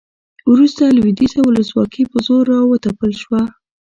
وروسته لویدیځه ولسواکي په زور راوتپل شوه